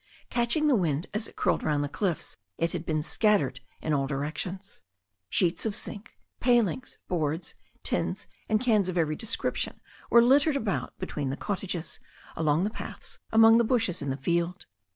Catching the wind as it curled round the cliffs, it had been scattered in all directions. Sheets of zinc, palings, boards, tins and cans of every description were littered about between the cottages, along the paths, among the bushes in the field.